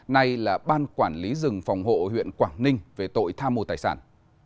nay là ban quản lý rừng phòng hộ huyện quảng ninh về tội tham mô tài sản